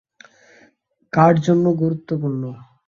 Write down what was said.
কার জন্য গুরুত্বপূর্ণ?